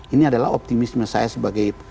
ini adalah optimisme saya sebagai